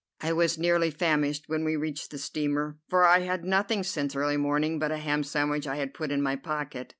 I was nearly famished when we reached the steamer, for I had had nothing since early morning but a ham sandwich I had put in my pocket.